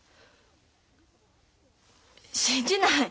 信じない。